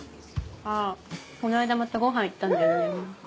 あぁこの間またごはん行ったんだよね。